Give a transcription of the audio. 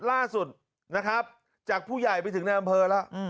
ล่าสุดนะครับจากผู้ใหญ่ไปถึงในอำเภอแล้ว